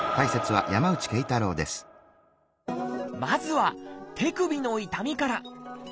まずは「手首の痛み」から。